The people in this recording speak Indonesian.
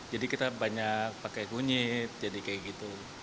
jadi kita banyak pakai kunyit jadi kayak gitu